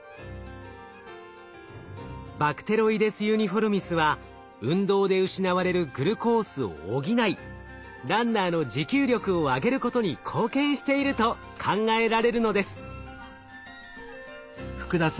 バクテロイデス・ユニフォルミスは運動で失われるグルコースを補いランナーの持久力を上げることに貢献していると考えられるのです。